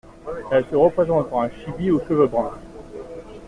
Elle se représente par un chibi aux cheveux brun.